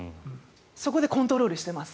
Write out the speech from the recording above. そこでコントロールしています。